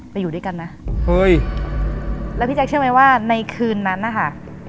อยู่ด้วยกันนะเฮ้ยแล้วพี่แจ๊คเชื่อไหมว่าในคืนนั้นนะคะ